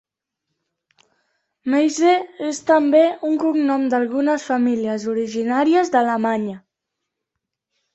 Meise és també un cognom d'algunes famílies originàries d'Alemanya.